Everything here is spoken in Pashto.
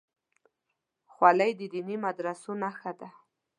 خولۍ د دیني مدرسو نښه ده.